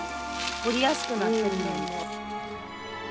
掘りやすくなってる年々。